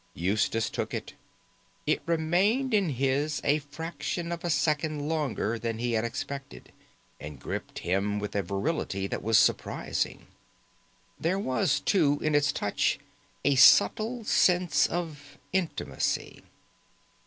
Eustace took it. It remained in his a fraction of a second longer than he had expected, and gripped him with a virility that was surprising. There was, too, in its touch a subtle sense of intimacy.